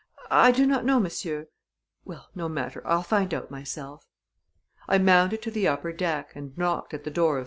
"I do not know, monsieur." "Well, no matter. I'll find out myself." I mounted to the upper deck, and knocked at the door of 375.